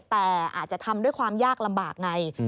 แต่อาจจะทำด้วยความยากลำบากไง